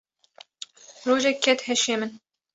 rojek ket heşê min.